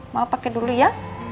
mama pake dulu ya